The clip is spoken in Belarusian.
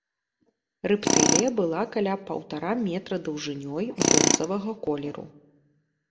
Рэптылія была каля паўтара метра даўжынёй, бронзавага колеру.